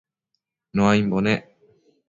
Nuaimbo nec